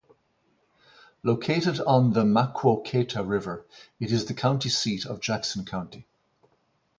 Located on the Maquoketa River, it is the county seat of Jackson County.